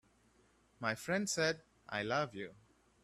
My friend said: "I love you.